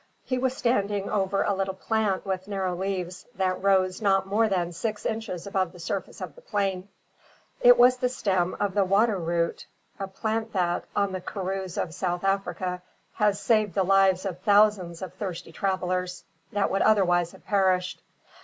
He was standing over a little plant with narrow leaves, that rose not more than six inches above the surface of the plain. It was the stem of the water root, a plant that, on the karroos of South Africa, has saved the lives of thousands of thirsty travellers, that would otherwise have perished.